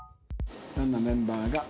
どんなメンバーが。